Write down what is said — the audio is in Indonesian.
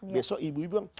besok ibu ibu bilang